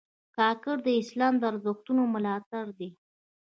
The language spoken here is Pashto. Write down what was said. کاکړ د اسلامي ارزښتونو ملاتړي دي.